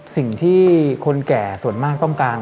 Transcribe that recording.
สิ่งที่คนแก่ส่วนมากต้องการ